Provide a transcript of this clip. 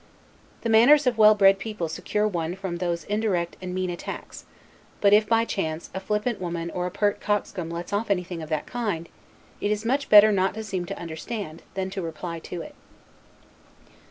The manners of well bred people secure one from those indirect and mean attacks; but if, by chance, a flippant woman or a pert coxcomb lets off anything of that kind, it is much better not to seem to understand, than to reply to it.